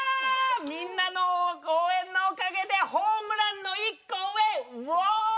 みんなの応援のおかげでホームランの一個上ウオームラン！